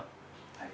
はい。